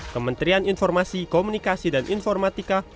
kementerian informasi komunikasi dan informatika